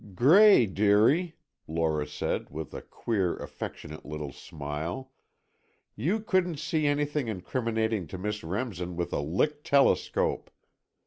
"Gray, dearie," Lora said, with a queer, affectionate little smile, "you couldn't see anything incriminating to Miss Remsen with a Lick telescope!